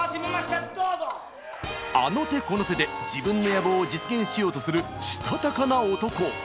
あの手この手で自分の野望を実現しようとするしたたかな男。